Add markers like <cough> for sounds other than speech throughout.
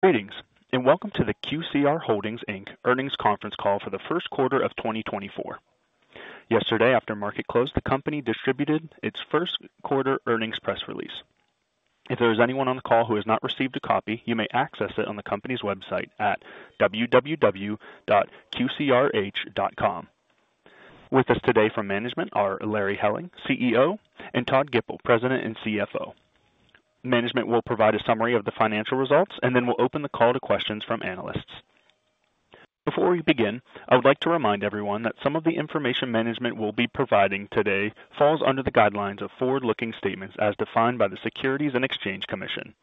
Greetings, and welcome to the QCR Holdings, Inc. earnings conference call for the first quarter of 2024. Yesterday, after market closed, the company distributed its first quarter earnings press release. If there is anyone on the call who has not received a copy, you may access it on the company's website at www.qcrh.com. With us today from management are Larry Helling, CEO, and Todd Gipple, President and CFO. Management will provide a summary of the financial results, and then we'll open the call to questions from analysts. Before we begin, I would like to remind everyone that some of the information management will be providing today falls under the guidelines of forward-looking statements as defined by the Securities and Exchange Commission.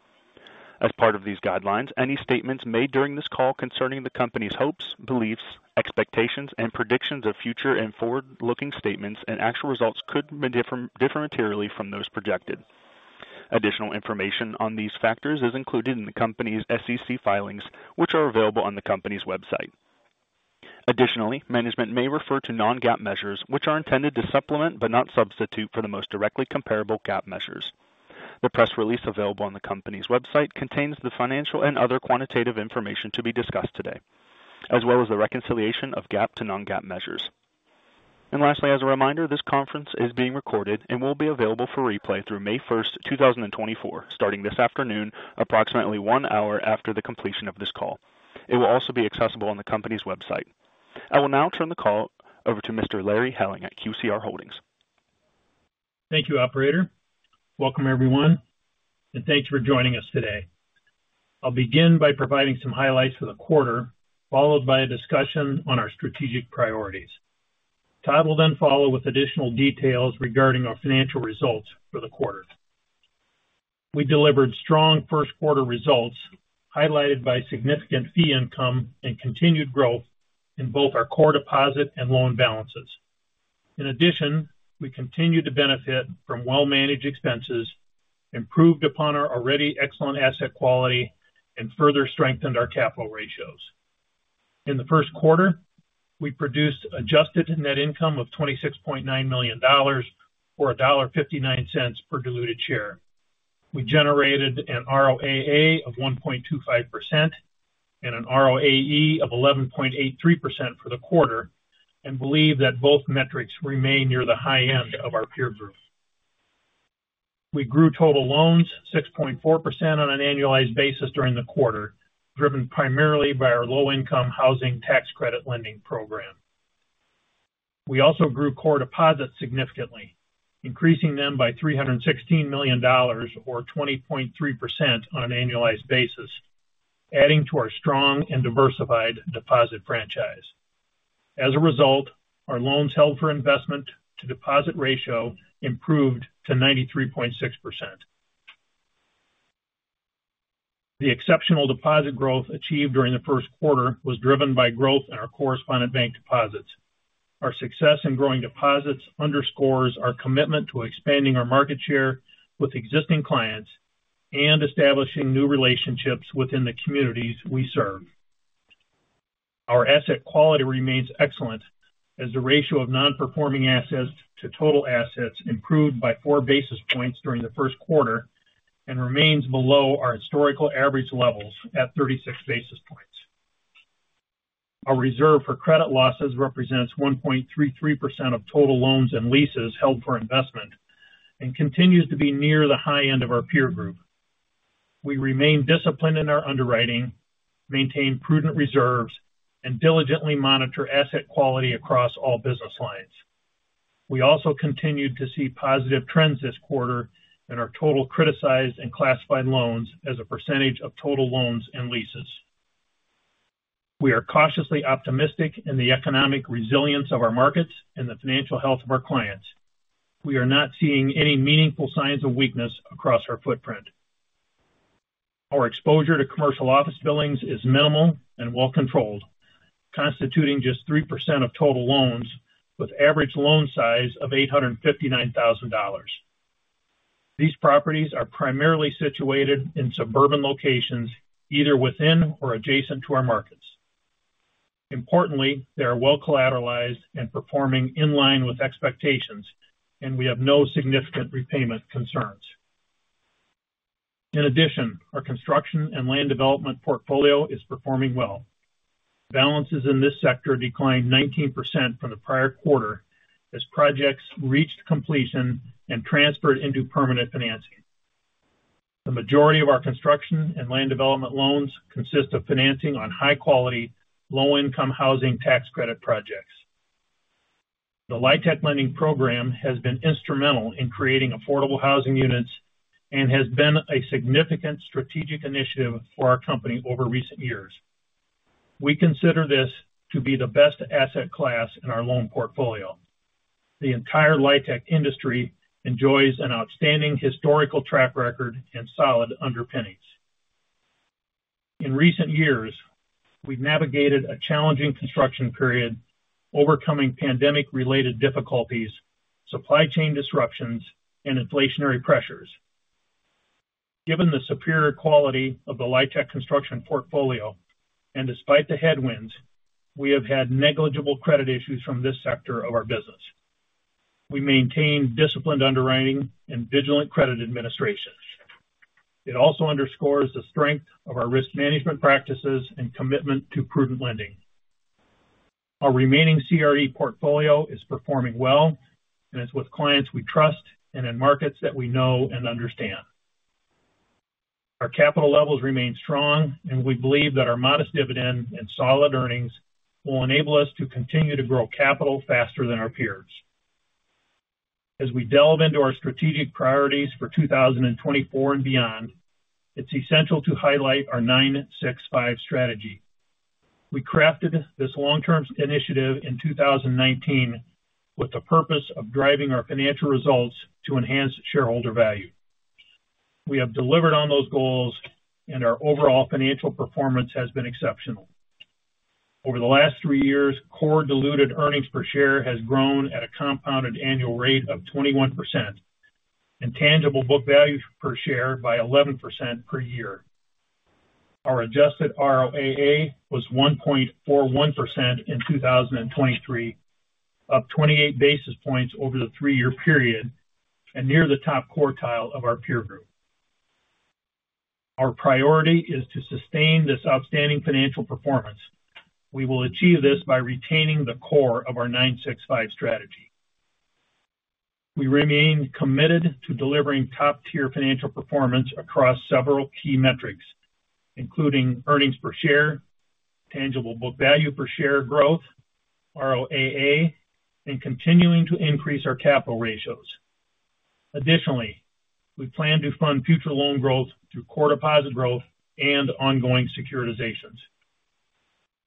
As part of these guidelines, any statements made during this call concerning the company's hopes, beliefs, expectations, and predictions of future and forward-looking statements and actual results could differ materially from those projected. Additional information on these factors is included in the company's SEC filings, which are available on the company's website. Additionally, management may refer to non-GAAP measures, which are intended to supplement but not substitute for the most directly comparable GAAP measures. The press release available on the company's website contains the financial and other quantitative information to be discussed today, as well as the reconciliation of GAAP to non-GAAP measures. And lastly, as a reminder, this conference is being recorded and will be available for replay through May 1st, 2024, starting this afternoon, approximately one hour after the completion of this call. It will also be accessible on the company's website. I will now turn the call over to Mr. Larry Helling at QCR Holdings. Thank you, operator. Welcome, everyone, and thanks for joining us today. I'll begin by providing some highlights for the quarter, followed by a discussion on our strategic priorities. Todd will then follow with additional details regarding our financial results for the quarter. We delivered strong first quarter results highlighted by significant fee income and continued growth in both our core deposit and loan balances. In addition, we continue to benefit from well-managed expenses, improved upon our already excellent asset quality, and further strengthened our capital ratios. In the first quarter, we produced adjusted net income of $26.9 million or $1.59 per diluted share. We generated an ROAA of 1.25% and an ROAE of 11.83% for the quarter and believe that both metrics remain near the high end of our peer group. We grew total loans 6.4% on an annualized basis during the quarter, driven primarily by our low-income housing tax credit lending program. We also grew core deposits significantly, increasing them by $316 million or 20.3% on an annualized basis, adding to our strong and diversified deposit franchise. As a result, our loans held for investment to deposit ratio improved to 93.6%. The exceptional deposit growth achieved during the first quarter was driven by growth in our correspondent bank deposits. Our success in growing deposits underscores our commitment to expanding our market share with existing clients and establishing new relationships within the communities we serve. Our asset quality remains excellent, as the ratio of non-performing assets to total assets improved by 4 basis points during the first quarter and remains below our historical average levels at 36 basis points. Our reserve for credit losses represents 1.33% of total loans and leases held for investment and continues to be near the high end of our peer group. We remain disciplined in our underwriting, maintain prudent reserves, and diligently monitor asset quality across all business lines. We also continued to see positive trends this quarter in our total criticized and classified loans as a percentage of total loans and leases. We are cautiously optimistic in the economic resilience of our markets and the financial health of our clients. We are not seeing any meaningful signs of weakness across our footprint. Our exposure to commercial office billings is minimal and well-controlled, constituting just 3% of total loans, with average loan size of $859,000. These properties are primarily situated in suburban locations, either within or adjacent to our markets. Importantly, they are well-collateralized and performing in line with expectations, and we have no significant repayment concerns. In addition, our construction and land development portfolio is performing well. Balances in this sector declined 19% from the prior quarter as projects reached completion and transferred into permanent financing. The majority of our construction and land development loans consist of financing on high-quality, low-income housing tax credit projects. The LIHTC lending program has been instrumental in creating affordable housing units and has been a significant strategic initiative for our company over recent years. We consider this to be the best asset class in our loan portfolio. The entire LIHTC industry enjoys an outstanding historical track record and solid underpinnings. In recent years, we've navigated a challenging construction period, overcoming pandemic-related difficulties, supply chain disruptions, and inflationary pressures. Given the superior quality of the LIHTC construction portfolio and despite the headwinds, we have had negligible credit issues from this sector of our business. We maintain disciplined underwriting and vigilant credit administration. It also underscores the strength of our risk management practices and commitment to prudent lending. Our remaining CRE portfolio is performing well, and it's with clients we trust and in markets that we know and understand. Our capital levels remain strong, and we believe that our modest dividend and solid earnings will enable us to continue to grow capital faster than our peers. As we delve into our strategic priorities for 2024 and beyond, it's essential to highlight our 9-6-5 strategy. We crafted this long-term initiative in 2019 with the purpose of driving our financial results to enhance shareholder value. We have delivered on those goals, and our overall financial performance has been exceptional. Over the last three years, core diluted earnings per share has grown at a compounded annual rate of 21% and tangible book value per share by 11% per year. Our adjusted ROAA was 1.41% in 2023, up 28 basis points over the three-year period and near the top quartile of our peer group. Our priority is to sustain this outstanding financial performance. We will achieve this by retaining the core of our 9-6-5 strategy. We remain committed to delivering top-tier financial performance across several key metrics, including earnings per share, tangible book value per share growth, ROAA, and continuing to increase our capital ratios. Additionally, we plan to fund future loan growth through core deposit growth and ongoing securitizations.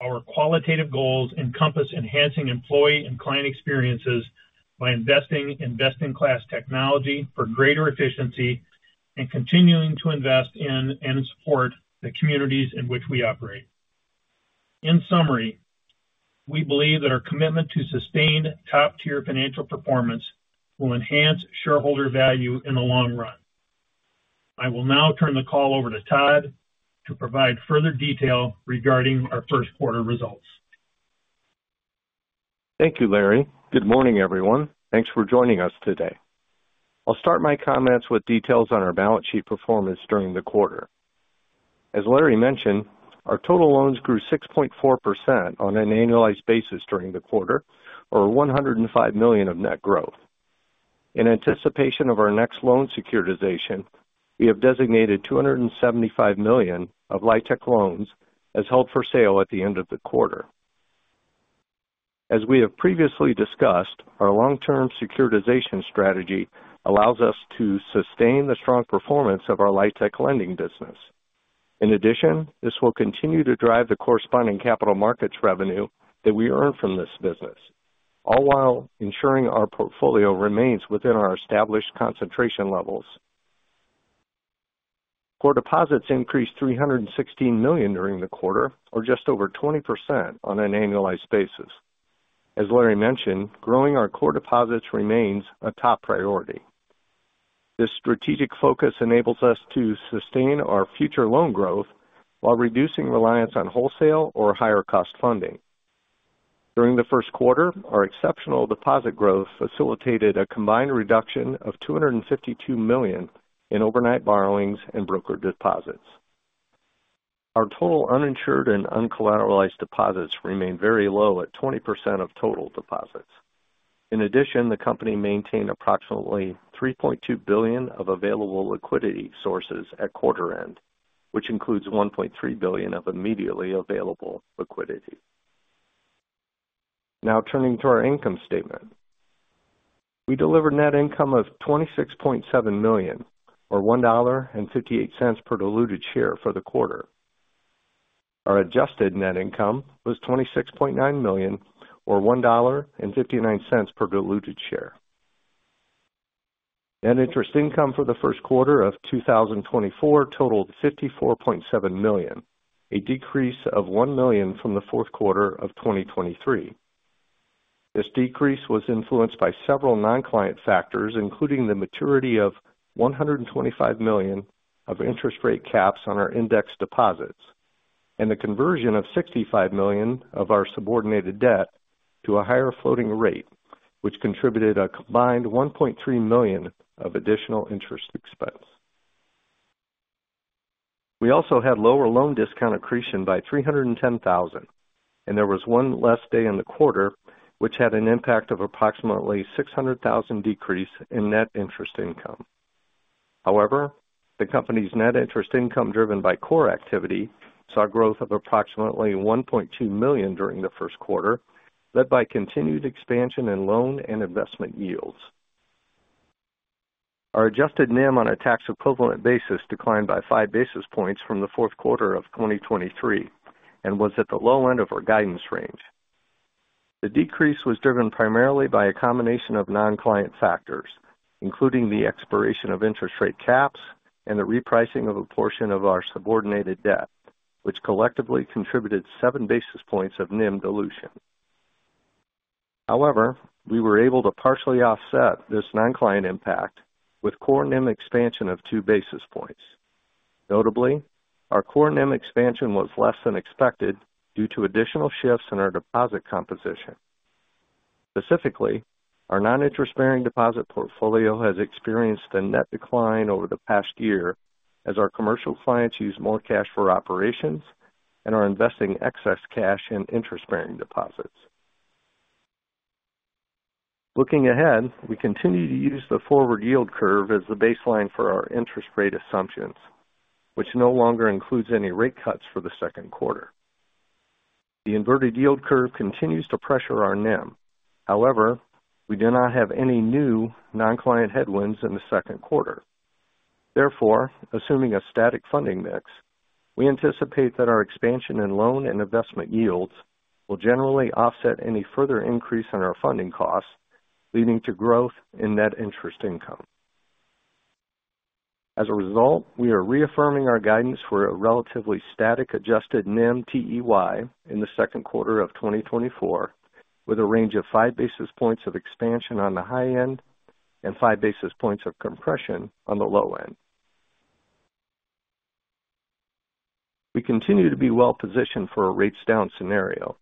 Our qualitative goals encompass enhancing employee and client experiences by investing in best-in-class technology for greater efficiency and continuing to invest in and support the communities in which we operate. In summary, we believe that our commitment to sustained top-tier financial performance will enhance shareholder value in the long run. I will now turn the call over to Todd to provide further detail regarding our first quarter results. Thank you, Larry. Good morning, everyone. Thanks for joining us today. I'll start my comments with details on our balance sheet performance during the quarter. As Larry mentioned, our total loans grew 6.4% on an annualized basis during the quarter, or $105 million of net growth. In anticipation of our next loan securitization, we have designated $275 million of LIHTC loans as held for sale at the end of the quarter. As we have previously discussed, our long-term securitization strategy allows us to sustain the strong performance of our LIHTC lending business. In addition, this will continue to drive the corresponding capital markets revenue that we earn from this business, all while ensuring our portfolio remains within our established concentration levels. Core deposits increased $316 million during the quarter, or just over 20% on an annualized basis. As Larry mentioned, growing our core deposits remains a top priority. This strategic focus enables us to sustain our future loan growth while reducing reliance on wholesale or higher-cost funding. During the first quarter, our exceptional deposit growth facilitated a combined reduction of $252 million in overnight borrowings and brokered deposits. Our total uninsured and uncollateralized deposits remain very low at 20% of total deposits. In addition, the company maintained approximately $3.2 billion of available liquidity sources at quarter-end, which includes $1.3 billion of immediately available liquidity. Now turning to our income statement. We delivered net income of $26.7 million, or $1.58 per diluted share for the quarter. Our adjusted net income was $26.9 million, or $1.59 per diluted share. Net interest income for the first quarter of 2024 totaled $54.7 million, a decrease of $1 million from the fourth quarter of 2023. This decrease was influenced by several non-client factors, including the maturity of $125 million of interest rate caps on our indexed deposits and the conversion of $65 million of our subordinated debt to a higher floating rate, which contributed a combined $1.3 million of additional interest expense. We also had lower loan discount accretion by $310,000, and there was one less day in the quarter which had an impact of approximately $600,000 decrease in net interest income. However, the company's net interest income driven by core activity saw growth of approximately $1.2 million during the first quarter, led by continued expansion in loan and investment yields. Our adjusted NIM on a tax equivalent basis declined by five basis points from the fourth quarter of 2023 and was at the low end of our guidance range. The decrease was driven primarily by a combination of non-client factors, including the expiration of interest rate caps and the repricing of a portion of our subordinated debt, which collectively contributed 7 basis points of NIM dilution. However, we were able to partially offset this non-client impact with core NIM expansion of 2 basis points. Notably, our core NIM expansion was less than expected due to additional shifts in our deposit composition. Specifically, our non-interest-bearing deposit portfolio has experienced a net decline over the past year as our commercial clients use more cash for operations and are investing excess cash in interest-bearing deposits. Looking ahead, we continue to use the forward yield curve as the baseline for our interest rate assumptions, which no longer includes any rate cuts for the second quarter. The inverted yield curve continues to pressure our NIM. However, we do not have any new non-client headwinds in the second quarter. Therefore, assuming a static funding mix, we anticipate that our expansion in loan and investment yields will generally offset any further increase in our funding costs, leading to growth in net interest income. As a result, we are reaffirming our guidance for a relatively static adjusted NIM TEY in the second quarter of 2024, with a range of 5 basis points of expansion on the high end and 5 basis points of compression on the low end. We continue to be well-positioned for a rates-down scenario.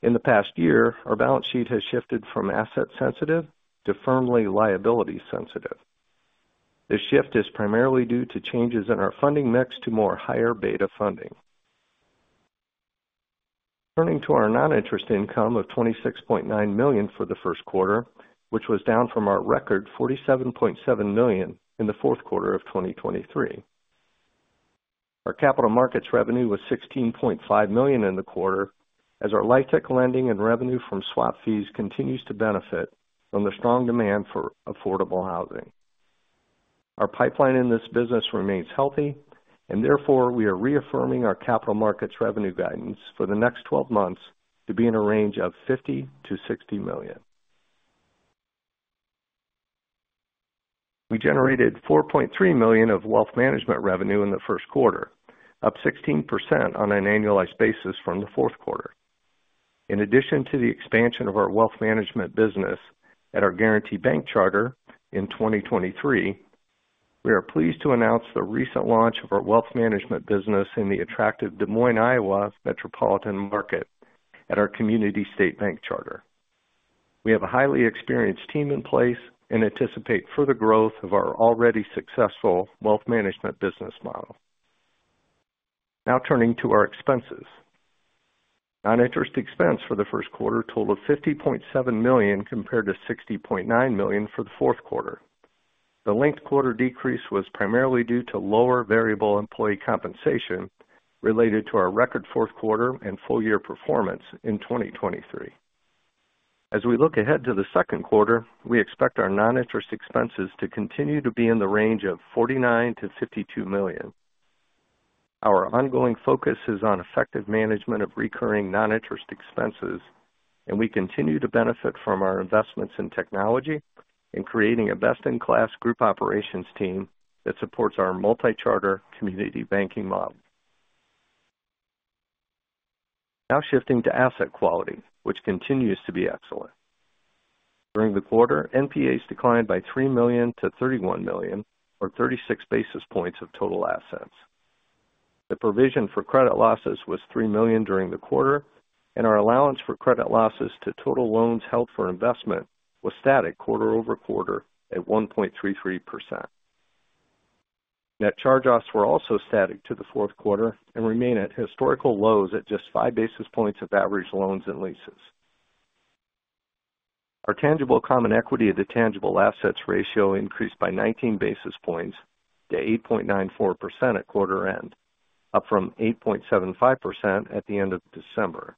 In the past year, our balance sheet has shifted from asset-sensitive to firmly liability-sensitive. This shift is primarily due to changes in our funding mix to more higher beta funding. Turning to our non-interest income of $26.9 million for the first quarter, which was down from our record $47.7 million in the fourth quarter of 2023. Our capital markets revenue was $16.5 million in the quarter, as our LIHTC lending and revenue from swap fees continues to benefit from the strong demand for affordable housing. Our pipeline in this business remains healthy, and therefore we are reaffirming our capital markets revenue guidance for the next 12 months to be in a range of $50 million-$60 million. We generated $4.3 million of wealth management revenue in the first quarter, up 16% on an annualized basis from the fourth quarter. In addition to the expansion of our wealth management business at our Guaranty Bank charter in 2023, we are pleased to announce the recent launch of our wealth management business in the attractive Des Moines, Iowa Metropolitan Market at our Community State Bank charter. We have a highly experienced team in place and anticipate further growth of our already successful wealth management business model. Now turning to our expenses. Noninterest expense for the first quarter totaled $50.7 million compared to $60.9 million for the fourth quarter. The linked quarter decrease was primarily due to lower variable employee compensation related to our record fourth quarter and full-year performance in 2023. As we look ahead to the second quarter, we expect our noninterest expenses to continue to be in the range of $49 million-$52 million. Our ongoing focus is on effective management of recurring non-interest expenses, and we continue to benefit from our investments in technology and creating a best-in-class group operations team that supports our multi-charter community banking model. Now shifting to asset quality, which continues to be excellent. During the quarter, NPAs declined by $3 million to $31 million, or 36 basis points of total assets. The provision for credit losses was $3 million during the quarter, and our allowance for credit losses to total loans held for investment was static quarter-over-quarter at 1.33%. Net charge-offs were also static to the fourth quarter and remain at historical lows at just five basis points of average loans and leases. Our tangible common equity to tangible assets ratio increased by 19 basis points to 8.94% at quarter-end, up from 8.75% at the end of December.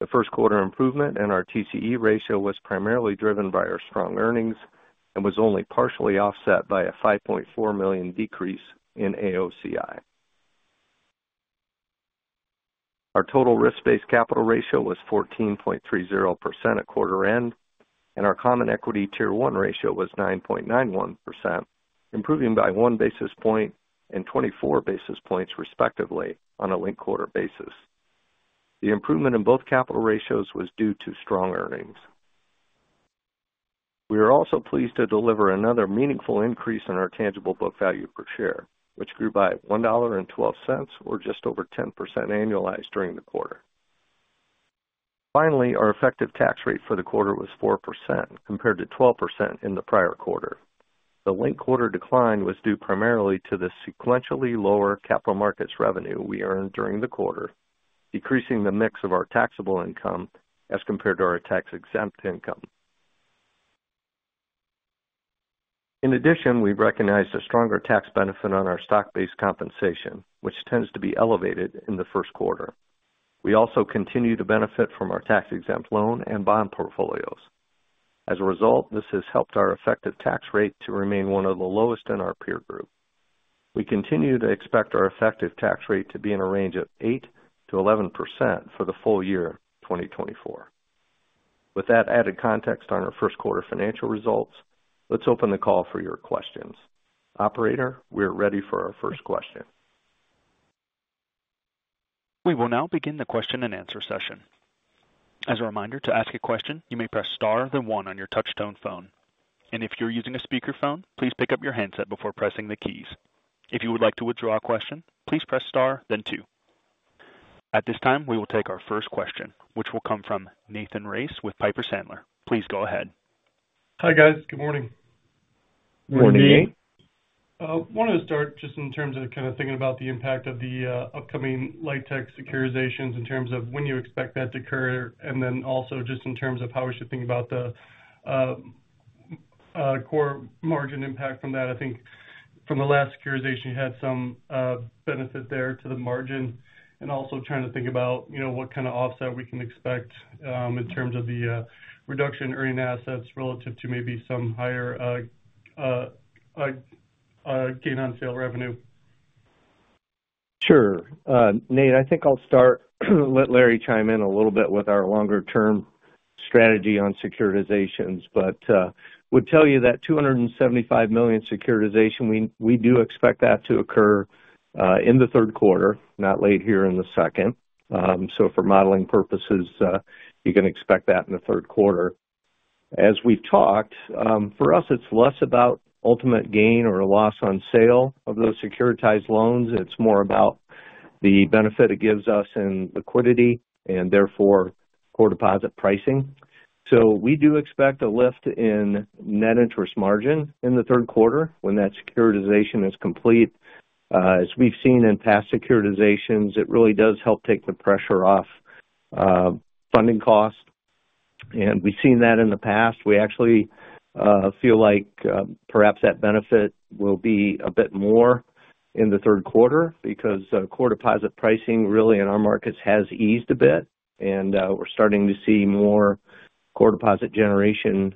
The first quarter improvement in our TCE ratio was primarily driven by our strong earnings and was only partially offset by a $5.4 million decrease in AOCI. Our total risk-based capital ratio was 14.30% at quarter-end, and our common equity tier one ratio was 9.91%, improving by 1 basis point and 24 basis points respectively on a linked-quarter basis. The improvement in both capital ratios was due to strong earnings. We are also pleased to deliver another meaningful increase in our tangible book value per share, which grew by $1.12, or just over 10% annualized during the quarter. Finally, our effective tax rate for the quarter was 4% compared to 12% in the prior quarter. The linked quarter decline was due primarily to the sequentially lower capital markets revenue we earned during the quarter, decreasing the mix of our taxable income as compared to our tax-exempt income. In addition, we've recognized a stronger tax benefit on our stock-based compensation, which tends to be elevated in the first quarter. We also continue to benefit from our tax-exempt loan and bond portfolios. As a result, this has helped our effective tax rate to remain one of the lowest in our peer group. We continue to expect our effective tax rate to be in a range of 8%-11% for the full year 2024. With that added context on our first quarter financial results, let's open the call for your questions. Operator, we are ready for our first question. We will now begin the question and answer session. As a reminder, to ask a question, you may press star then one on your touch-tone phone. If you're using a speakerphone, please pick up your handset before pressing the keys. If you would like to withdraw a question, please press star then two. At this time, we will take our first question, which will come from Nathan Race with Piper Sandler. Please go ahead. Hi guys. Good morning. <crosstalk> Good morning, Nate. I wanted to start just in terms of kind of thinking about the impact of the upcoming LIHTC securitizations in terms of when you expect that to occur, and then also just in terms of how we should think about the core margin impact from that. I think from the last securitization, you had some benefit there to the margin. And also trying to think about what kind of offset we can expect in terms of the reduction in earning assets relative to maybe some higher gain-on-sale revenue. Sure. Nate, I think I'll start let Larry chime in a little bit with our longer-term strategy on securitizations, but would tell you that $275 million securitization, we do expect that to occur in the third quarter, not late here in the second. So for modeling purposes, you can expect that in the third quarter. As we've talked, for us, it's less about ultimate gain or loss on sale of those securitized loans. It's more about the benefit it gives us in liquidity and therefore core deposit pricing. So we do expect a lift in net interest margin in the third quarter when that securitization is complete. As we've seen in past securitizations, it really does help take the pressure off funding costs. And we've seen that in the past. We actually feel like perhaps that benefit will be a bit more in the third quarter because core deposit pricing really in our markets has eased a bit, and we're starting to see more core deposit generation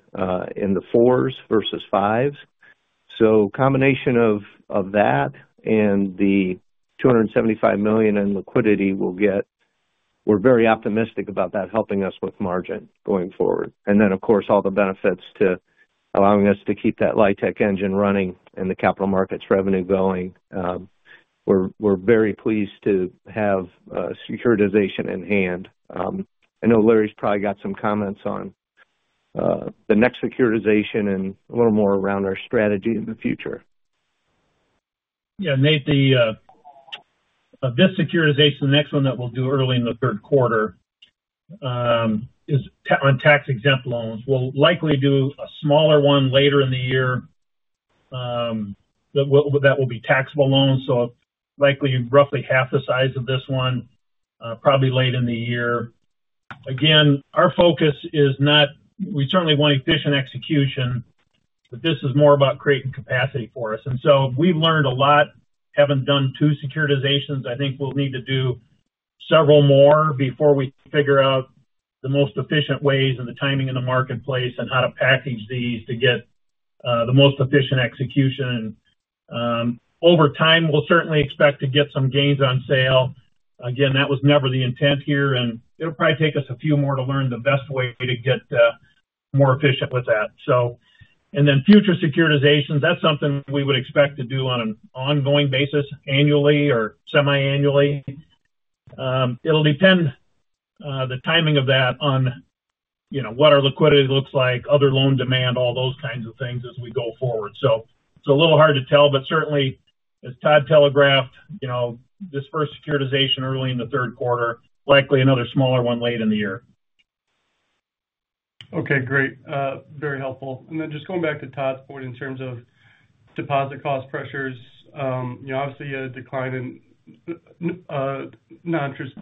in the fours versus fives. So combination of that and the $275 million in liquidity will get. We're very optimistic about that helping us with margin going forward. And then, of course, all the benefits to allowing us to keep that LIHTC engine running and the capital markets revenue going. We're very pleased to have securitization in hand. I know Larry's probably got some comments on the next securitization and a little more around our strategy in the future. Yeah. Nate, this securitization, the next one that we'll do early in the third quarter is on tax-exempt loans. We'll likely do a smaller one later in the year. That will be taxable loans, so likely roughly half the size of this one, probably late in the year. Again, our focus is not we certainly want efficient execution, but this is more about creating capacity for us. And so we've learned a lot, haven't done two securitizations. I think we'll need to do several more before we figure out the most efficient ways and the timing in the marketplace and how to package these to get the most efficient execution. And over time, we'll certainly expect to get some gains on sale. Again, that was never the intent here, and it'll probably take us a few more to learn the best way to get more efficient with that. And then future securitizations, that's something we would expect to do on an ongoing basis, annually or semi-annually. It'll depend on the timing of that on what our liquidity looks like, other loan demand, all those kinds of things as we go forward. So it's a little hard to tell, but certainly, as Todd telegraphed, this first securitization early in the third quarter, likely another smaller one late in the year. Okay. Great. Very helpful. And then just going back to Todd's point in terms of deposit cost pressures, obviously a decline in non-interest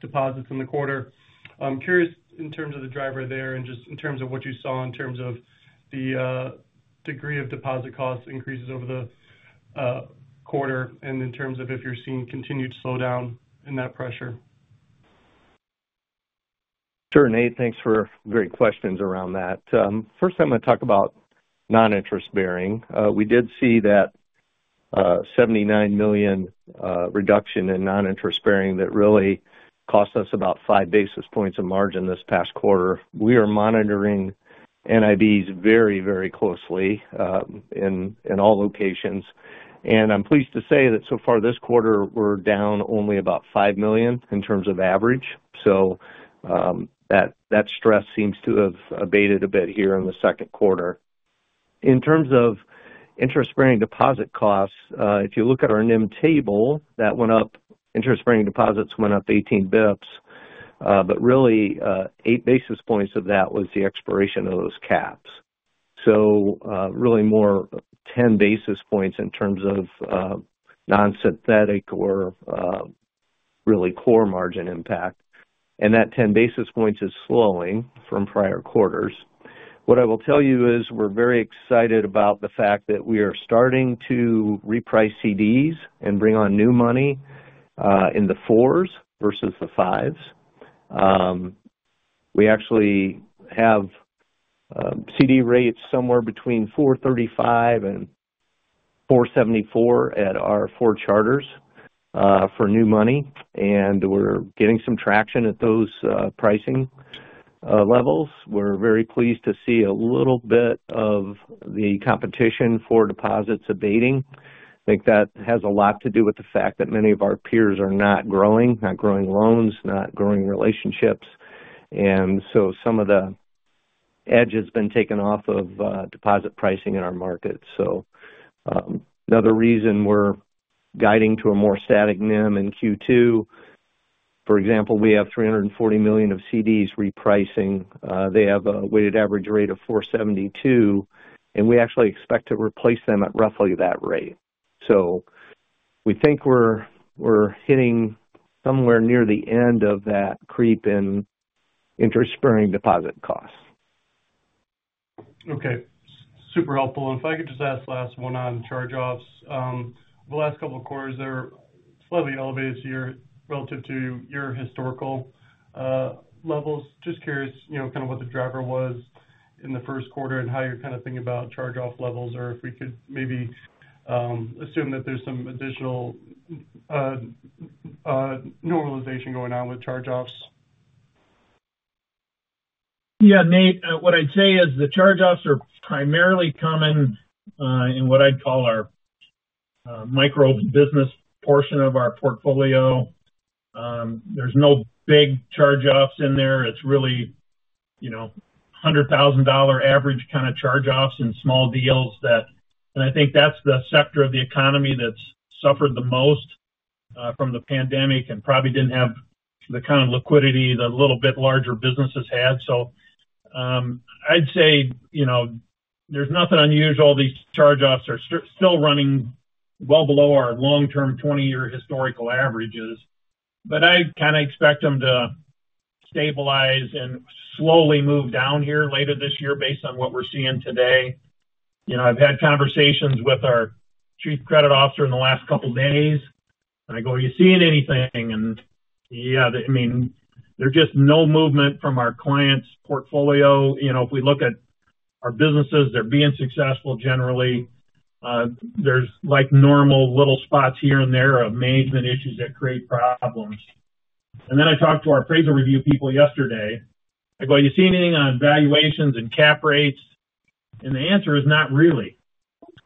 deposits in the quarter. I'm curious in terms of the driver there and just in terms of what you saw in terms of the degree of deposit cost increases over the quarter and in terms of if you're seeing continued slowdown in that pressure. Sure. Nate, thanks for great questions around that. First, I'm going to talk about non-interest bearing. We did see that $79 million reduction in non-interest bearing that really cost us about 5 basis points of margin this past quarter. We are monitoring NIBs very, very closely in all locations. And I'm pleased to say that so far this quarter, we're down only about $5 million in terms of average. So that stress seems to have abated a bit here in the second quarter. In terms of interest-bearing deposit costs, if you look at our NIM table, that went up interest-bearing deposits went up 18 basis points. But really, 8 basis points of that was the expiration of those caps. So really more 10 basis points in terms of non-synthetic or really core margin impact. And that 10 basis points is slowing from prior quarters. What I will tell you is we're very excited about the fact that we are starting to reprice CDs and bring on new money in the fours versus the fives. We actually have CD rates somewhere between 435 basis point and 474 basis point at our four charters for new money, and we're getting some traction at those pricing levels. We're very pleased to see a little bit of the competition for deposits abating. I think that has a lot to do with the fact that many of our peers are not growing, not growing loans, not growing relationships. And so some of the edge has been taken off of deposit pricing in our market. So another reason we're guiding to a more static NIM in Q2. For example, we have $340 million of CDs repricing. They have a weighted average rate of 472 basis points, and we actually expect to replace them at roughly that rate. So we think we're hitting somewhere near the end of that creep in interest-bearing deposit costs. Okay. Super helpful. If I could just ask last one on charge-offs. The last couple of quarters are slightly elevated relative to your historical levels. Just curious kind of what the driver was in the first quarter and how you're kind of thinking about charge-off levels or if we could maybe assume that there's some additional normalization going on with charge-offs. Yeah. Nate, what I'd say is the charge-offs are primarily common in what I'd call our micro business portion of our portfolio. There's no big charge-offs in there. It's really $100,000 average kind of charge-offs in small deals that and I think that's the sector of the economy that's suffered the most from the pandemic and probably didn't have the kind of liquidity the little bit larger businesses had. So I'd say there's nothing unusual. These charge-offs are still running well below our long-term 20-year historical averages. But I kind of expect them to stabilize and slowly move down here later this year based on what we're seeing today. I've had conversations with our Chief Credit Officer in the last couple of days, and I go, "Are you seeing anything?" And yeah, I mean, there's just no movement from our clients' portfolio. If we look at our businesses, they're being successful generally. There's normal little spots here and there of management issues that create problems. And then I talked to our appraisal review people yesterday. I go, "Are you seeing anything on valuations and cap rates?" And the answer is not really.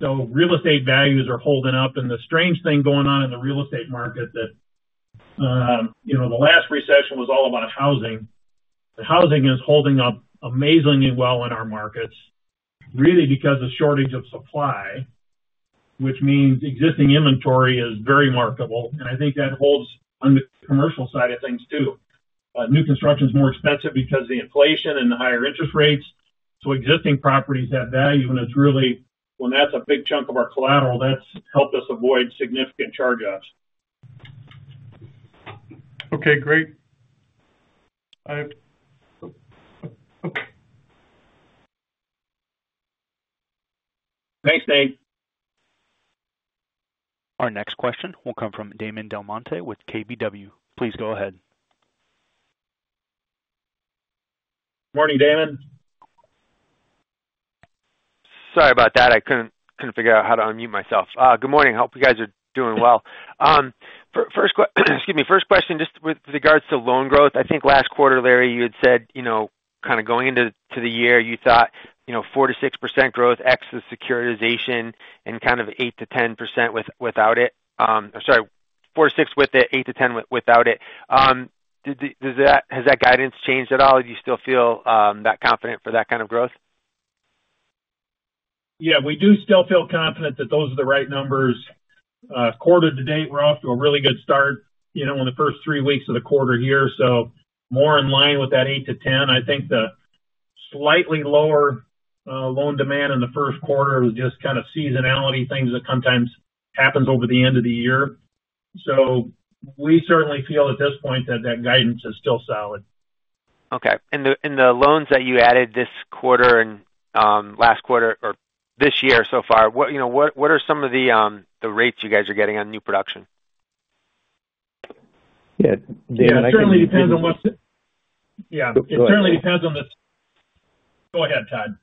So real estate values are holding up. And the strange thing going on in the real estate market that the last recession was all about housing, the housing is holding up amazingly well in our markets really because of shortage of supply, which means existing inventory is very marketable. And I think that holds on the commercial side of things too. New construction is more expensive because of the inflation and the higher interest rates. So existing properties have value, and when that's a big chunk of our collateral, that's helped us avoid significant charge-offs. Okay. Great. Thanks, Nate. Our next question will come from Damon DelMonte with KBW. Please go ahead. Good morning, Damon. Sorry about that. I couldn't figure out how to unmute myself. Good morning. I hope you guys are doing well. Excuse me. First question, just with regards to loan growth, I think last quarter, Larry, you had said kind of going into the year, you thought 4%-6% growth X the securitization and kind of 8%-10% without it or sorry, 4%-6% with it, 8%-10% without it. Has that guidance changed at all? Do you still feel that confident for that kind of growth? Yeah. We do still feel confident that those are the right numbers. Quarter to date, we're off to a really good start in the first three weeks of the quarter here. So more in line with that 8%-10%. I think the slightly lower loan demand in the first quarter was just kind of seasonality, things that sometimes happen over the end of the year. So we certainly feel at this point that that guidance is still solid. Okay. The loans that you added this quarter and last quarter or this year so far, what are some of the rates you guys are getting on new production? Yeah. Damon, I can't. It certainly depends on the go ahead, Todd.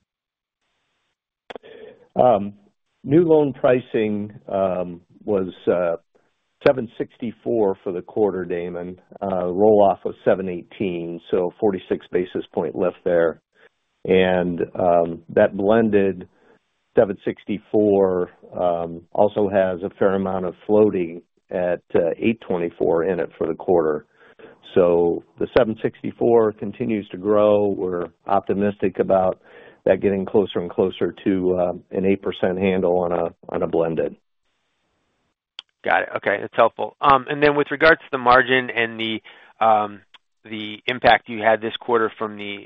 New loan pricing was 764 basis points for the quarter, Damon. Roll-off was 718 basis points, so 46 basis points lift there. And that blended 764 basis points also has a fair amount of floating at 824 basis points in it for the quarter. So the 764 basis points continues to grow. We're optimistic about that getting closer and closer to an 8% handle on a blended. Got it. Okay. That's helpful. And then with regards to the margin and the impact you had this quarter from the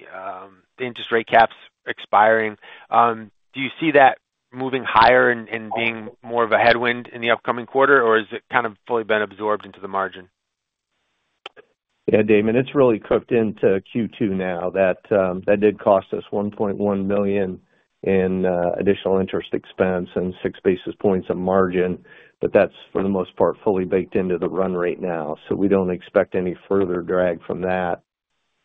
interest rate caps expiring, do you see that moving higher and being more of a headwind in the upcoming quarter, or has it kind of fully been absorbed into the margin? Yeah, Damon. It's really cooked into Q2 now. That did cost us $1.1 million in additional interest expense and 6 basis points of margin, but that's for the most part fully baked into the run rate now. So we don't expect any further drag from that.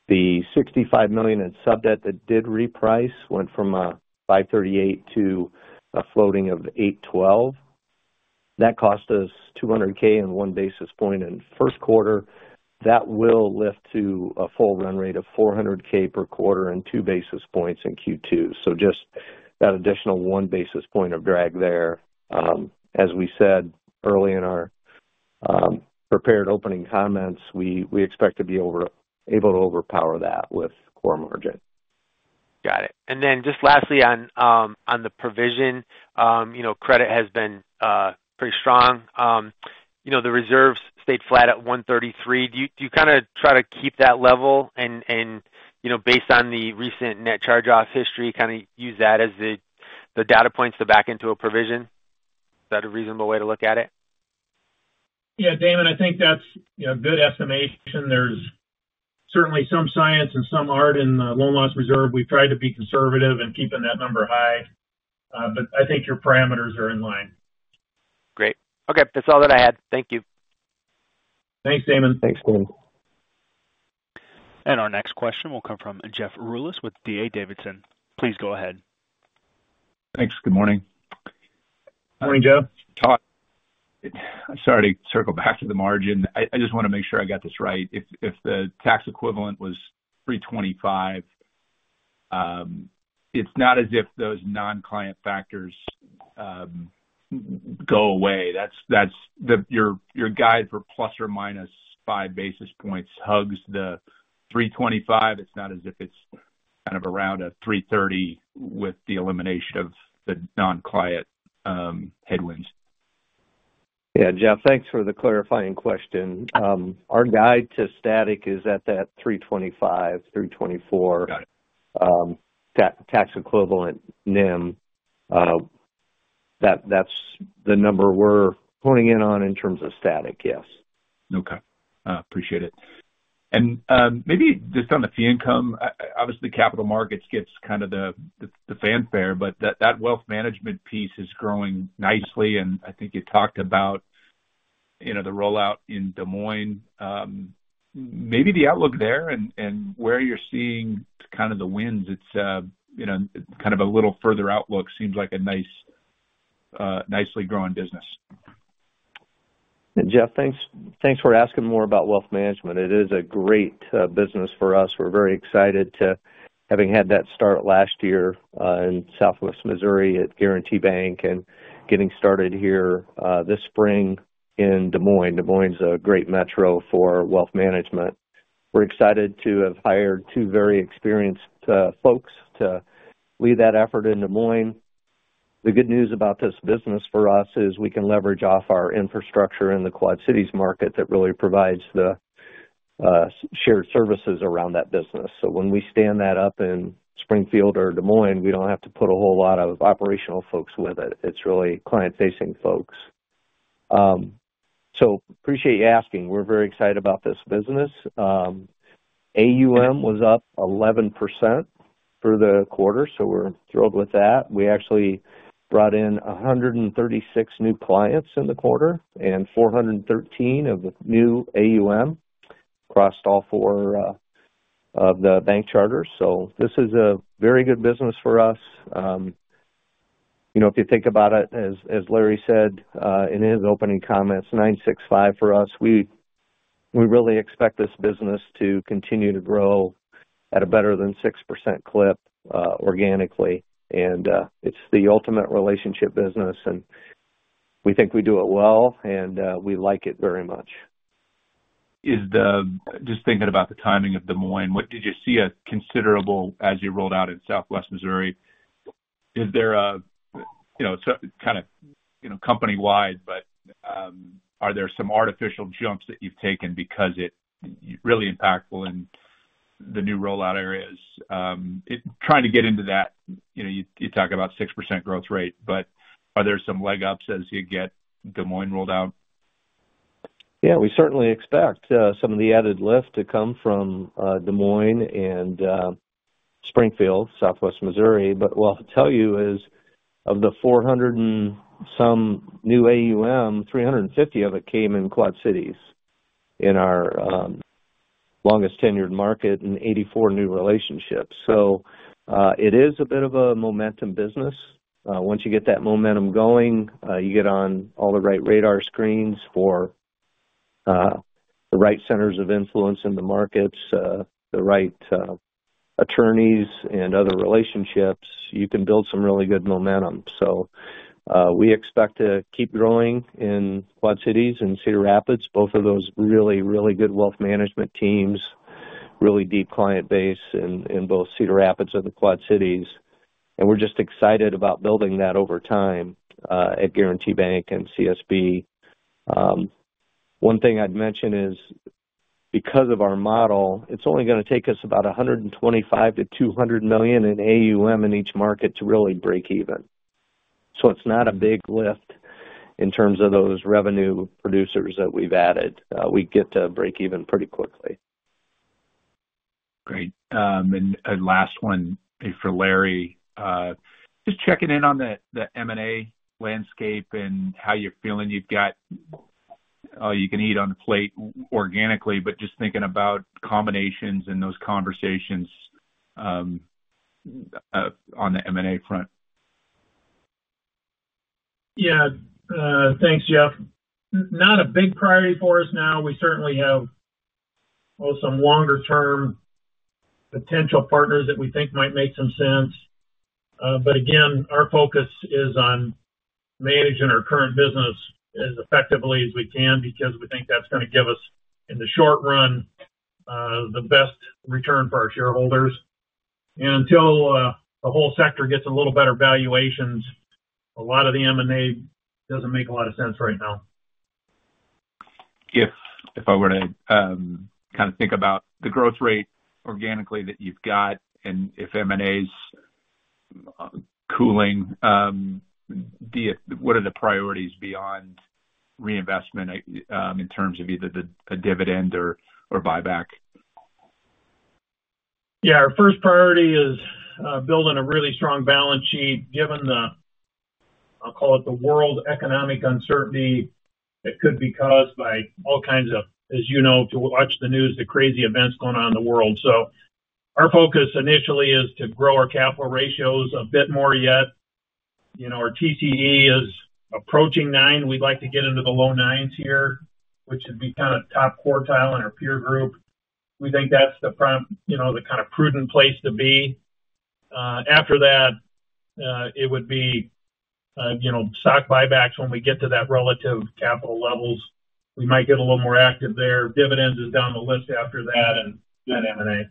The $65 million in sub debt that did reprice went from a 5.38% to a floating of 8.12&. That cost us $200,000 and 1 basis point in first quarter. That will lift to a full run rate of $400,000 per quarter and 2 basis points in Q2. So just that additional 1 basis point of drag there. As we said early in our prepared opening comments, we expect to be able to overpower that with core margin. Got it. And then just lastly on the provision, credit has been pretty strong. The reserves stayed flat at 133 basis points. Do you kind of try to keep that level and based on the recent net charge-off history, kind of use that as the data points to back into a provision? Is that a reasonable way to look at it? Yeah. Damon, I think that's a good estimation. There's certainly some science and some art in the loan loss reserve. We've tried to be conservative and keeping that number high. But I think your parameters are in line. Great. Okay. That's all that I had. Thank you. Thanks, Damon. Thanks, Damon. Our next question will come from Jeff Rulis with D.A. Davidson. Please go ahead. Thanks. Good morning. Good morning, Jeff. Todd, sorry to circle back to the margin. I just want to make sure I got this right. If the tax equivalent was 325 basis points, it's not as if those non-client factors go away. Your guide for ±5 basis points hugs the 325 basis points. It's not as if it's kind of around a 330 basis points with the elimination of the non-client headwinds. Yeah. Jeff, thanks for the clarifying question. Our guide to static is at that 325 basis points, 324 basis points tax equivalent NIM. That's the number we're honing in on in terms of static, yes. Okay. Appreciate it. Maybe just on the fee income, obviously, capital markets gets kind of the fanfare, but that wealth management piece is growing nicely. I think you talked about the rollout in Des Moines. Maybe the outlook there and where you're seeing kind of the winds. It's kind of a little further outlook, seems like a nicely growing business. Jeff, thanks for asking more about wealth management. It is a great business for us. We're very excited to having had that start last year in Southwest Missouri at Guaranty Bank and getting started here this spring in Des Moines. Des Moines is a great metro for wealth management. We're excited to have hired two very experienced folks to lead that effort in Des Moines. The good news about this business for us is we can leverage off our infrastructure in the Quad Cities market that really provides the shared services around that business. So when we stand that up in Springfield or Des Moines, we don't have to put a whole lot of operational folks with it. It's really client-facing folks. So appreciate you asking. We're very excited about this business. AUM was up 11% for the quarter, so we're thrilled with that. We actually brought in 136 new clients in the quarter, and 413 of the new AUM crossed all four of the bank charters. So this is a very good business for us. If you think about it, as Larry said in his opening comments, 9-6-5 for us. We really expect this business to continue to grow at a better than 6% clip organically. And it's the ultimate relationship business, and we think we do it well, and we like it very much. Just thinking about the timing of Des Moines, did you see a considerable as you rolled out in Southwest Missouri? Is there a kind of company-wide, but are there some artificial jumps that you've taken because it's really impactful in the new rollout areas? Trying to get into that, you talk about 6% growth rate, but are there some legups as you get Des Moines rolled out? Yeah. We certainly expect some of the added lift to come from Des Moines and Springfield, Southwest Missouri. But what I'll tell you is of the 400 and some new AUM, 350 of it came in Quad Cities in our longest-tenured market and 84 new relationships. So it is a bit of a momentum business. Once you get that momentum going, you get on all the right radar screens for the right centers of influence in the markets, the right attorneys, and other relationships, you can build some really good momentum. So we expect to keep growing in Quad Cities and Cedar Rapids, both of those really, really good wealth management teams, really deep client base in both Cedar Rapids and the Quad Cities. And we're just excited about building that over time at Guaranty Bank and CSB. One thing I'd mention is because of our model, it's only going to take us about $125 million-$200 million in AUM in each market to really break even. It's not a big lift in terms of those revenue producers that we've added. We get to break even pretty quickly. Great. Last one for Larry, just checking in on the M&A landscape and how you're feeling you've got all you can eat on the plate organically, but just thinking about combinations and those conversations on the M&A front. Yeah. Thanks, Jeff. Not a big priority for us now. We certainly have some longer-term potential partners that we think might make some sense. But again, our focus is on managing our current business as effectively as we can because we think that's going to give us, in the short run, the best return for our shareholders. And until the whole sector gets a little better valuations, a lot of the M&A doesn't make a lot of sense right now. If I were to kind of think about the growth rate organically that you've got and if M&A is cooling, what are the priorities beyond reinvestment in terms of either a dividend or buyback? Yeah. Our first priority is building a really strong balance sheet. Given the, I'll call it, the world economic uncertainty that could be caused by all kinds of, as you know, to watch the news, the crazy events going on in the world. So our focus initially is to grow our capital ratios a bit more yet. Our TCE is approaching 9. We'd like to get into the low 9s here, which would be kind of top quartile in our peer group. We think that's the kind of prudent place to be. After that, it would be stock buybacks when we get to that relative capital levels. We might get a little more active there. Dividends is down the list after that and then M&A.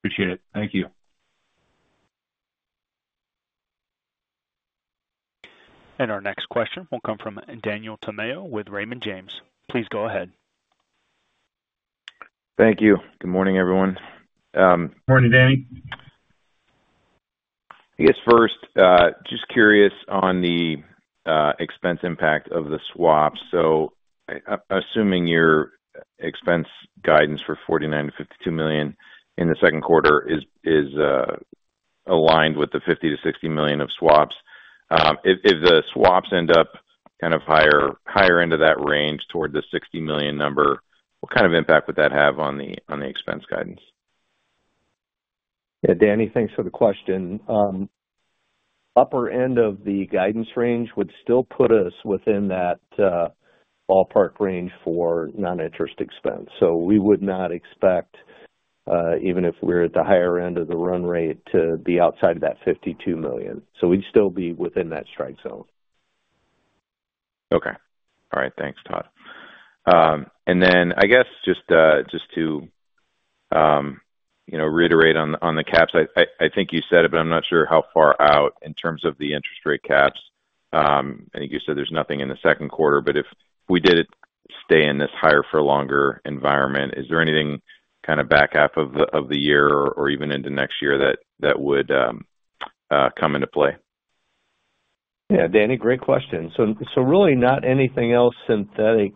Appreciate it. Thank you. Our next question will come from Daniel Tamayo with Raymond James. Please go ahead. Thank you. Good morning, everyone. Good morning, Danny. I guess first, just curious on the expense impact of the swaps. So assuming your expense guidance for $49 million-$52 million in the second quarter is aligned with the $50 million-$60 million of swaps, if the swaps end up kind of higher end of that range toward the $60 million number, what kind of impact would that have on the expense guidance? Yeah. Danny, thanks for the question. Upper end of the guidance range would still put us within that ballpark range for non-interest expense. So we would not expect, even if we're at the higher end of the run rate, to be outside of that $52 million. So we'd still be within that strike zone. Okay. All right. Thanks, Todd. And then I guess just to reiterate on the caps, I think you said it, but I'm not sure how far out in terms of the interest rate caps. I think you said there's nothing in the second quarter, but if we did stay in this higher-for-longer environment, is there anything kind of back half of the year or even into next year that would come into play? Yeah. Danny, great question. So really, not anything else synthetic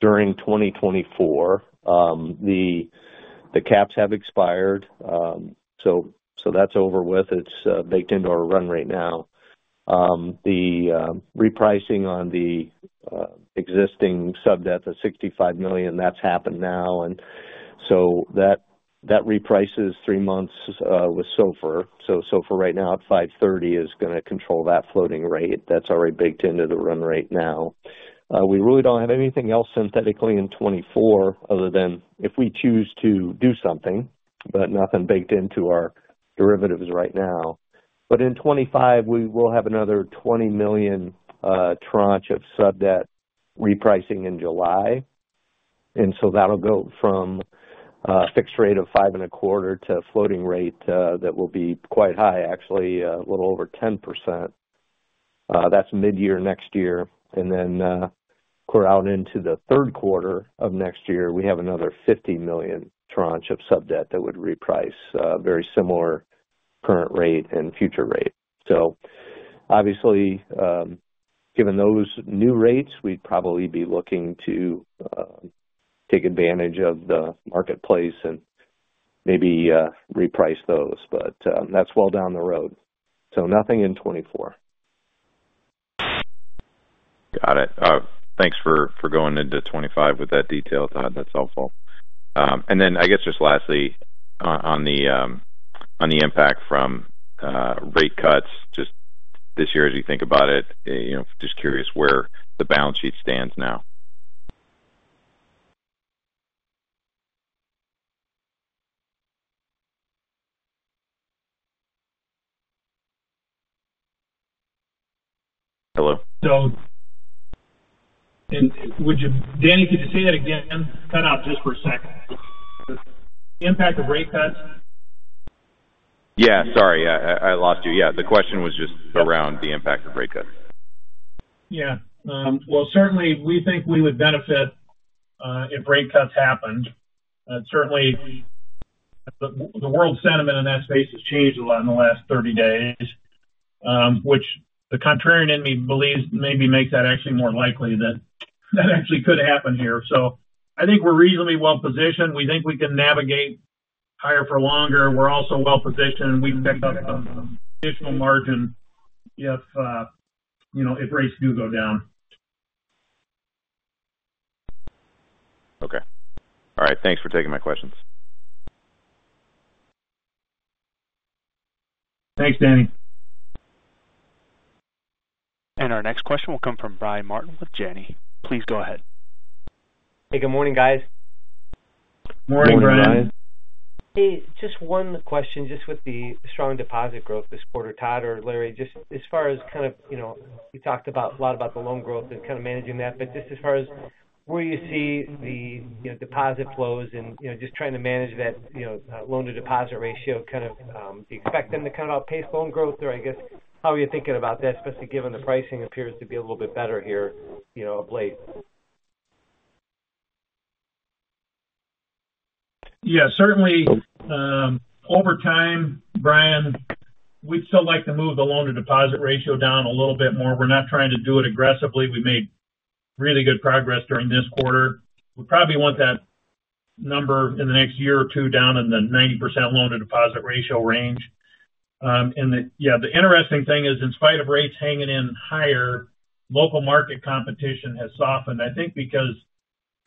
during 2024. The caps have expired, so that's over with. It's baked into our run right now. The repricing on the existing sub debt, the $65 million, that's happened now. And so that reprices three months with SOFR. So SOFR right now at 530 basis points is going to control that floating rate. That's already baked into the run rate now. We really don't have anything else synthetically in 2024 other than if we choose to do something, but nothing baked into our derivatives right now. But in 2025, we will have another $20 million tranche of sub debt repricing in July. And so that'll go from a fixed rate of 5.25% to a floating rate that will be quite high, actually a little over 10%. That's mid-year next year. And then core out into the third quarter of next year, we have another $50 million tranche of sub debt that would reprice a very similar current rate and future rate. So obviously, given those new rates, we'd probably be looking to take advantage of the marketplace and maybe reprice those. But that's well down the road. So nothing in 2024. Got it. Thanks for going into 2025 with that detail, Todd. That's helpful. And then I guess just lastly, on the impact from rate cuts just this year as you think about it, just curious where the balance sheet stands now. Hello? So Danny, could you say that again? Cut out just for a second. The impact of rate cuts? Yeah. Sorry. I lost you. Yeah. The question was just around the impact of rate cuts. Yeah. Well, certainly, we think we would benefit if rate cuts happened. Certainly, the world sentiment in that space has changed a lot in the last 30 days, which the contrarian in me believes maybe makes that actually more likely that that actually could happen here. So I think we're reasonably well positioned. We think we can navigate higher for longer. We're also well positioned. We'd pick up some additional margin if rates do go down. Okay. All right. Thanks for taking my questions. Thanks, Danny. Our next question will come from Brian Martin with Janney. Please go ahead. Hey. Good morning, guys. <crosstalk> Morning, Brian. Hey. Just one question just with the strong deposit growth this quarter, Todd. Or Larry, just as far as kind of you talked a lot about the loan growth and kind of managing that, but just as far as where you see the deposit flows and just trying to manage that loan-to-deposit ratio, kind of do you expect them to kind of outpace loan growth, or I guess how are you thinking about that, especially given the pricing appears to be a little bit better here of late? Yeah. Certainly, over time, Brian, we'd still like to move the loan-to-deposit ratio down a little bit more. We're not trying to do it aggressively. We made really good progress during this quarter. We probably want that number in the next year or two down in the 90% loan-to-deposit ratio range. And yeah, the interesting thing is, in spite of rates hanging in higher, local market competition has softened, I think, because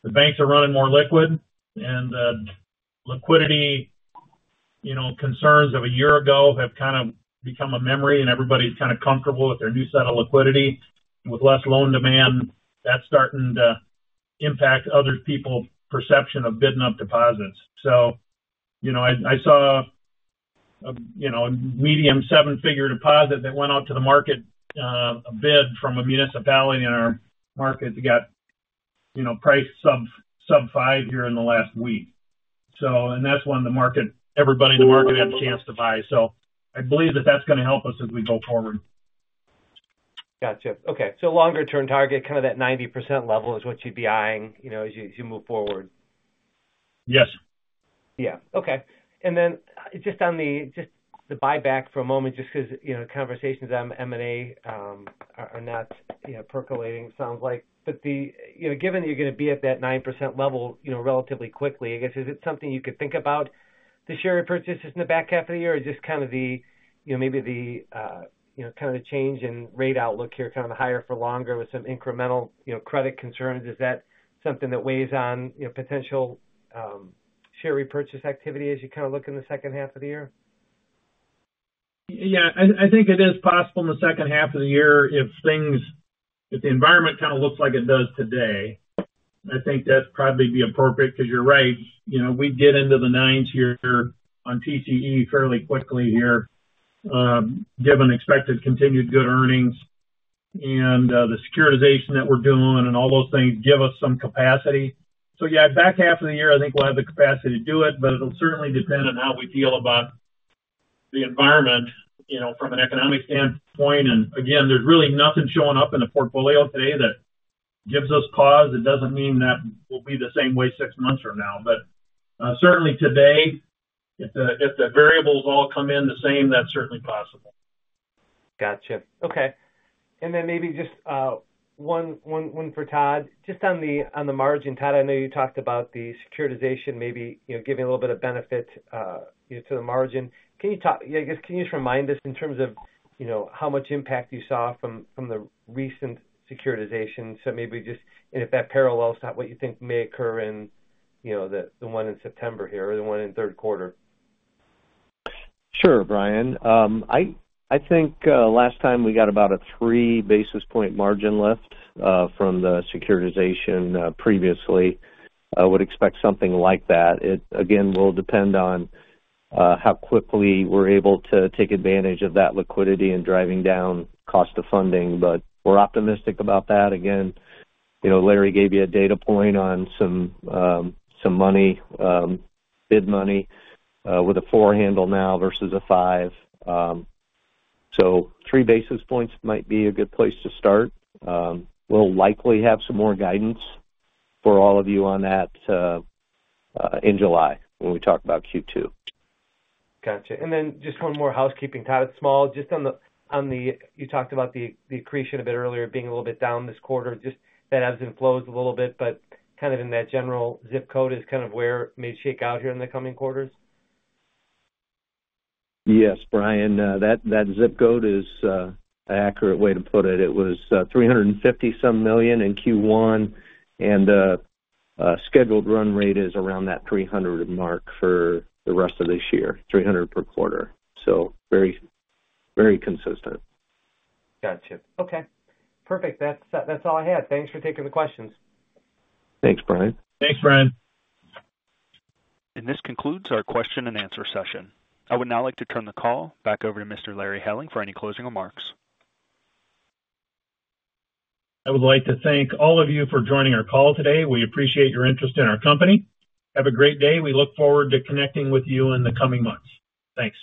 the banks are running more liquid. And the liquidity concerns of a year ago have kind of become a memory, and everybody's kind of comfortable with their new set of liquidity. With less loan demand, that's starting to impact other people's perception of bidding up deposits. So I saw a medium seven-figure deposit that went out to the market, a bid from a municipality in our market that got priced sub-5% here in the last week. And that's when everybody in the market had a chance to buy. So I believe that that's going to help us as we go forward. Gotcha. Okay. So longer-term target, kind of that 90% level is what you'd be eyeing as you move forward? Yes. Yeah. Okay. And then just on the buyback for a moment, just because conversations on M&A are not percolating, it sounds like. But given that you're going to be at that 9% level relatively quickly, I guess, is it something you could think about, the share repurchases in the back half of the year, or just kind of maybe kind of the change in rate outlook here, kind of the higher for longer with some incremental credit concerns? Is that something that weighs on potential share repurchase activity as you kind of look in the second half of the year? Yeah. I think it is possible in the second half of the year if the environment kind of looks like it does today. I think that'd probably be appropriate because you're right. We'd get into the 9s here on TCE fairly quickly here, given expected continued good earnings. And the securitization that we're doing and all those things give us some capacity. So yeah, back half of the year, I think we'll have the capacity to do it, but it'll certainly depend on how we feel about the environment from an economic standpoint. And again, there's really nothing showing up in the portfolio today that gives us pause. It doesn't mean that we'll be the same way six months from now. But certainly, today, if the variables all come in the same, that's certainly possible. Gotcha. Okay. And then maybe just one for Todd. Just on the margin, Todd, I know you talked about the securitization, maybe giving a little bit of benefit to the margin. Can you talk, I guess, can you just remind us in terms of how much impact you saw from the recent securitization? So maybe just if that parallels to what you think may occur in the one in September here or the one in third quarter. Sure, Brian. I think last time we got about a 3 basis points margin lift from the securitization previously. I would expect something like that. Again, we'll depend on how quickly we're able to take advantage of that liquidity and driving down cost of funding. But we're optimistic about that. Again, Larry gave you a data point on some money, bid money, with a 4 basis points handle now versus a 5 basis points. So 3 basis points might be a good place to start. We'll likely have some more guidance for all of you on that in July when we talk about Q2. Gotcha. And then just one more housekeeping, Todd. It's small. Just on the you talked about the accretion a bit earlier being a little bit down this quarter. Just that ebbs and flows a little bit, but kind of in that general ZIP code is kind of where it may shake out here in the coming quarters? Yes, Brian. That ZIP code is an accurate way to put it. It was $350-some million in Q1, and the scheduled run rate is around that $300 mark for the rest of this year, $300 per quarter. So very consistent. Gotcha. Okay. Perfect. That's all I had. Thanks for taking the questions. Thanks, Brian. Thanks, Brian. This concludes our question-and-answer session. I would now like to turn the call back over to Mr. Larry Helling for any closing remarks. I would like to thank all of you for joining our call today. We appreciate your interest in our company. Have a great day. We look forward to connecting with you in the coming months. Thanks.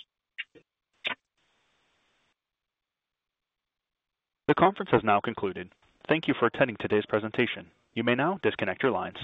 The conference has now concluded. Thank you for attending today's presentation. You may now disconnect your lines.